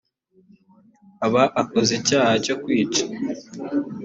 aba akoze icyaha cyo kwica